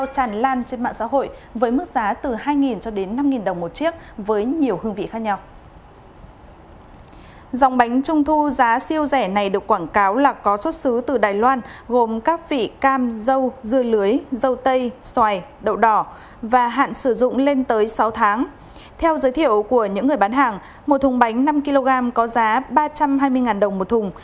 theo giới thiệu của những người bán hàng một thùng bánh năm kg có giá ba trăm hai mươi đồng một thùng